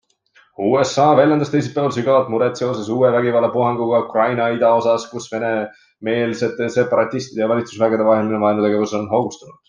USA väljendas teisipäeval sügavat muret seoses uue vägivallapuhanguga Ukraina idaosas, kus venemeelsete separatistide ja valitsusvägede vaheline vaenutegevus on hoogustunud.